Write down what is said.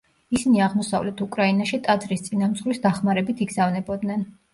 ისინი აღმოსავლეთ უკრაინაში ტაძრის წინამძღვრის დახმარებით იგზავნებოდნენ.